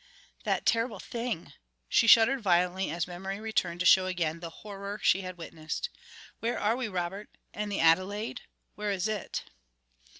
"That terrible thing " She shuddered violently as memory returned to show again the horror she had witnessed. "Where are we, Robert? And the Adelaide where is it?"